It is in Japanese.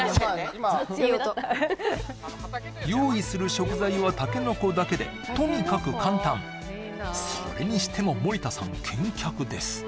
用意する食材はタケノコだけでとにかく簡単それにしても守田さん健脚です